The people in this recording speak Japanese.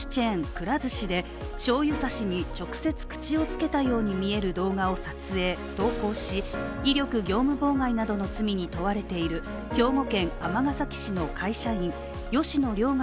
くら寿司で、しょうゆ差しに直接口をつけたように見える動画を撮影・投稿し威力業務妨害などの罪に問われている兵庫県尼崎市の会社員吉野凌雅